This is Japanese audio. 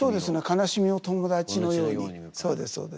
悲しみを友達のようにそうですそうです。